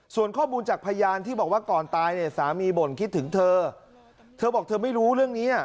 ส่วนข้อมูลจากพยานที่บอกว่าก่อนตายเนี่ยสามีบ่นคิดถึงเธอเธอบอกเธอไม่รู้เรื่องนี้อ่ะ